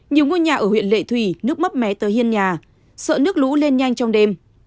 nhiều ngôi nhà ở huyện lệ thủy nước mắp mé tới hiên nhà sợ nước lũ lên nhanh trong đêm